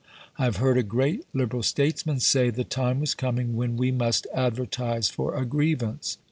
I have heard a great Liberal statesman say, "The time was coming when we must advertise for a grievance".